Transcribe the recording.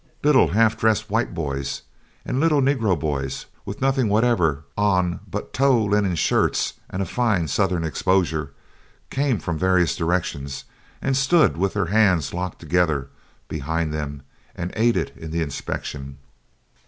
Little half dressed white boys, and little negro boys with nothing whatever on but tow linen shirts with a fine southern exposure, came from various directions and stood with their hands locked together behind them and aided in the inspection.